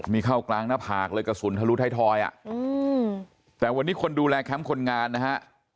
มีเข้ากลางหน้าผากเลยกระสุนทะลุท้ายทอยอ่ะแต่วันนี้คนดูแลแคมป์คนงานนะฮะ